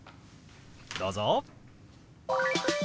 どうぞ！